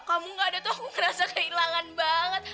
kamu gak ada tuh aku ngerasa kehilangan banget